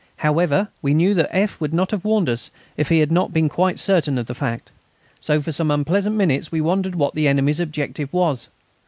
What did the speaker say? However, we knew that F. would not have warned us if he had not been quite certain of the fact, so for some unpleasant minutes we wondered what the enemy's objective was.